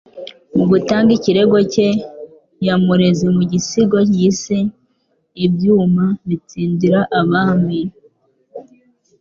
mu gutanga ikirego cye yamureze mu gisigo yise “Ibyuma bitsindira abami,”